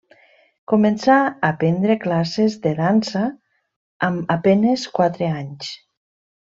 Començà a prendre classes de dansa amb a penes quatre anys.